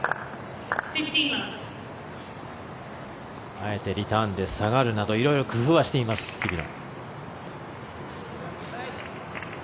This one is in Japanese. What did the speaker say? あえてリターンで下がるなどいろいろ工夫はしています日比野。